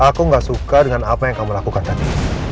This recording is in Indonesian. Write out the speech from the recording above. aku gak suka dengan apa yang kamu lakukan tadi